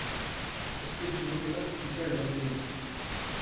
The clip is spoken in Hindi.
उसके जूतों पर कीचड़ लगी हुई थी।